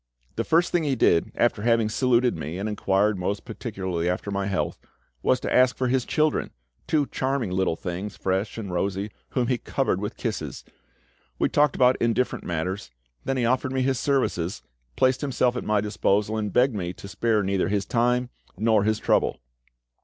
The first thing he did, after having saluted me and inquired most particularly after my health, was to ask for his children, two charming little things, fresh and rosy, whom he covered with kisses. We talked about indifferent matters, then he offered me his services, placed himself at my disposal, and begged me to spare neither his time nor his trouble.